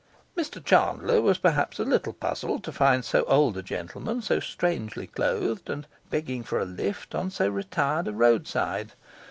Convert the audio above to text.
Mr Chandler was perhaps a little puzzled to find so old a gentleman, so strangely clothed, and begging for a lift on so retired a roadside.